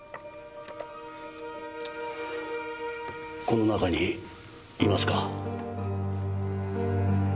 この中にいますか？